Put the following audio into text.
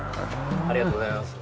ありがとうございます。